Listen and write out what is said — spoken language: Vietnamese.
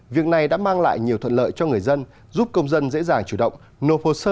việc này đã mang lại nhiều thuận lợi cho người dân giúp công dân dễ dàng chủ động nộp hồ sơ